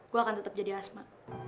gue akan tetap jadi asma